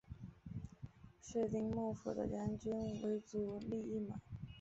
室町幕府的将军为足利义满。